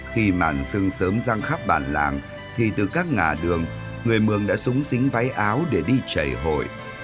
khi màn sương sớm rang khắp bàn làng thì từ các ngã đường người mường đã súng xính váy áo để đi chảy hội